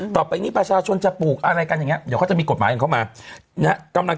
ต่อไปนี่ประชาชนจะปลูกอะไรกับอย่างงี้หรือเขาจะมีกฎหมายเข้ามาเนี่ยกำลัง